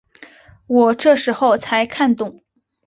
我这时候才看懂